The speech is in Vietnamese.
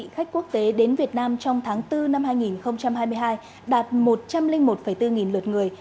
khách quốc tế đến việt nam trong tháng bốn năm hai nghìn hai mươi hai đạt một trăm linh một bốn nghìn lượt người